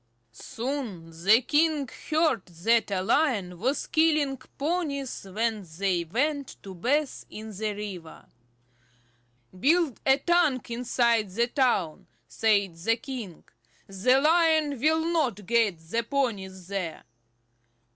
Soon the king heard that a Lion was killing the ponies when they went to bathe in the river. "Build a tank inside the town," said the king. "The lion will not get the ponies there."